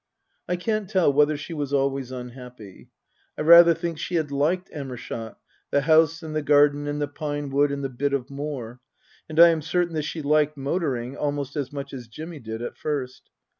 I can't tell whether she was always unhappy. I rather think she had liked Amershott, the house and the garden and the pinewood and the bit of moor, and I am certain that she liked motoring almost as much as Jimmy did at first.